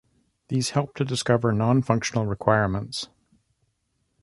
These help to discover non-functional requirements.